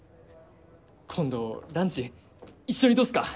今度ランチ一緒にどうっすか？